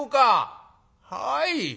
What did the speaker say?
「はい。